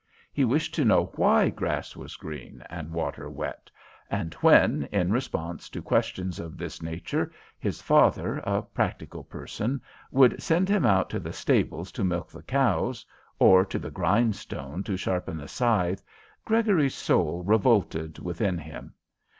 He wished to know why grass was green and water wet, and when, in response to questions of this nature, his father, a practical person, would send him out to the stables to milk the cows, or to the grindstone to sharpen the scythe, Gregory's soul revolted within him.